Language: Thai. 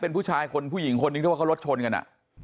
เป็นผู้ชายคนผู้หญิงคนหนึ่งที่ว่าเขารถชนกัน